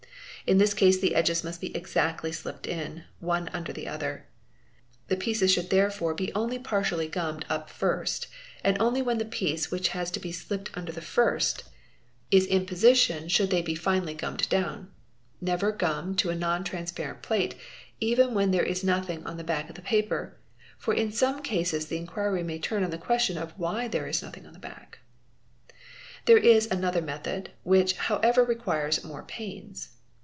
In this case the edges must be exactly slipped in, one ler the other. The pieces should therefore be only partially gummed it first, and only when the piece which has to be slipped under the first is 476 DRAWING AND ALLIED ARTS in position should they be finally gummed down. Never gum to a non — transparent plate even when there is nothing on the back of the paper — for in some cases the inquiry may turn on the question of why there is nothing on the back. There is another method, which however requires much more pains.